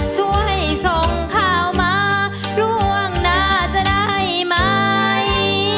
ช่วยส่งข่าวมาร่วงหน้าจะได้ไหม